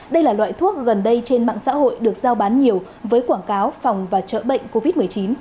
đây là loại thuốc gần đây trên mạng xã hội được giao bán nhiều với quảng cáo phòng và chữa bệnh covid một mươi chín